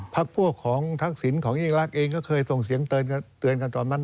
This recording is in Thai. พักพวกของทักษิณของยิ่งรักเองก็เคยส่งเสียงเตือนกันตอนนั้น